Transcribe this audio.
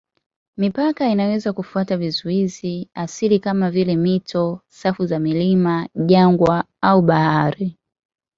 Mipaka inaweza kufuata vizuizi asilia kama vile mito, safu za milima, jangwa au bahari.